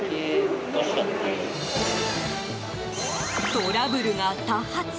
トラブルが多発。